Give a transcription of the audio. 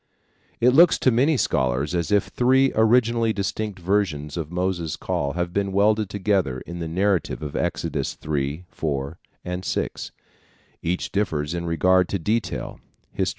It looks to many scholars as if three originally distinct versions of Moses' call have been welded together in the narrative of Exodus 3, 4 and 6. Each differs in regard to detail (Hist.